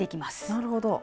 なるほど。